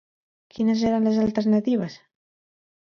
Quines eren les alternatives?